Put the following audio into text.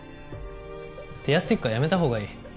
ティアスティックはやめたほうがいい。